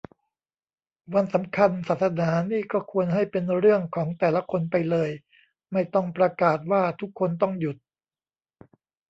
วันสำคัญศาสนานี่ก็ควรให้เป็นเรื่องของแต่ละคนไปเลย ไม่ต้องประกาศว่าทุกคนต้องหยุด